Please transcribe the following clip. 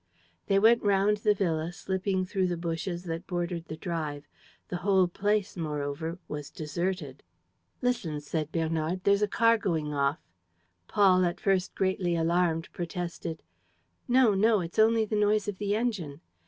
They went round the villa, slipping through the bushes that bordered the drive. The whole place, moreover, was deserted. "Listen," said Bernard, "there's a car going off." Paul, at first greatly alarmed, protested: "No, no, it's only the noise of the engine."